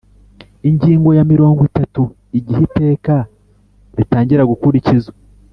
Ingingo ya mirongo itatu Igihe iteka ritangira gukurikizwa